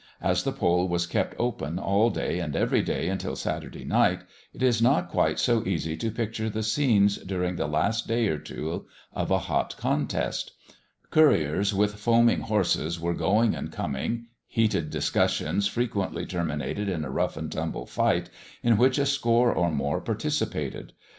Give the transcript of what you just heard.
As the poll was kept open all day and every day until Saturday night, it is not quite so easy to picture the scenes during the last day or two of a hot contest. Couriers with foaming horses were going and coming. Heated discussions frequently terminated in a rough and tumble fight, in which a score or more participated.